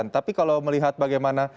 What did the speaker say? tapi kalau melihat bagaimana